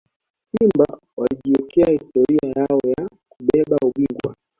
simba walijiwekea historia yao ya kubeba ubingwa